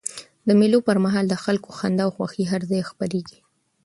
د مېلو پر مهال د خلکو خندا او خوښۍ هر ځای خپریږي.